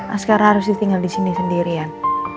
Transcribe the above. asgara harus ditinggal disini sendirian